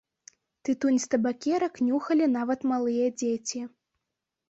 Тытунь з табакерак нюхалі нават малыя дзеці.